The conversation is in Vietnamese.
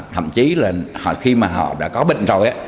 thậm chí là khi mà họ đã có bệnh rồi á